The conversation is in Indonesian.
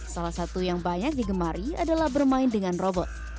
salah satu yang banyak digemari adalah bermain dengan robot